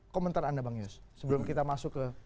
komentar anda bang yos sebelum kita masuk ke